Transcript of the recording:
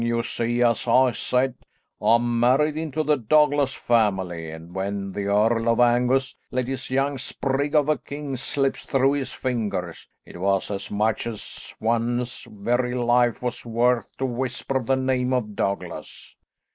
You see, as I said, I married into the Douglas family, and when the Earl of Angus let this young sprig of a king slip through his fingers, it was as much as one's very life was worth to whisper the name of Douglas.